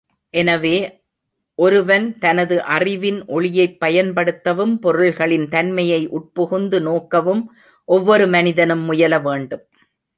எனவே, ஒருவன் தனது அறிவின் ஒளியைப் பயன்படுத்தவும், பொருள்களின் தன்மையை உட்புகுந்து நோக்கவும், ஒவ்வொரு மனிதனும் முயல வேண்டும்.